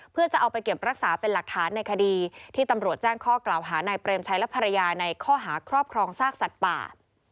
เพื่อจะเอาไปเก็บรักษาเป็นหลักฐานในคดีที่ตำรวจแจ้งข้อกล่าวหานายเปรมชัยและภรรยาในข้อหาครอบครองซากสัตว์ป่า